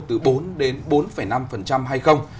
từ bốn đến bốn năm hay không